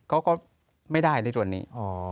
เขาก็ไม่ได้ในตัวนี้